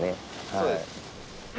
そうですね。